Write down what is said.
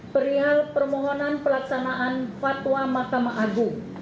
perihal permohonan pelaksanaan fatwa mahkamah agung